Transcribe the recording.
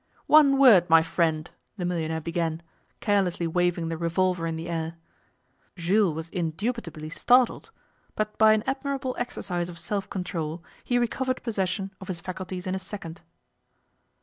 'One word, my friend,' the millionaire began, carelessly waving the revolver in the air. Jules was indubitably startled, but by an admirable exercise of self control he recovered possession of his faculties in a second.